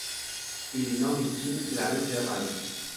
Ili nomis ĝin la Ruĝa Valo.